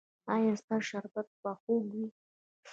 ایا ستاسو شربت به خوږ وي؟